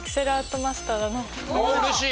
おうれしい！